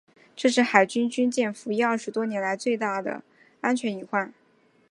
这是海龙军舰服役二十多年来最重大的安全意外。